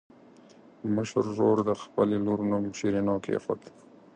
مشر ورور د خپلې لور نوم شیرینو کېښود.